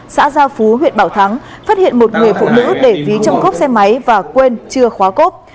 xã gia phú huyện bảo thắng phát hiện một người phụ nữ để ví trong cốp xe máy và quên chưa khóa cốp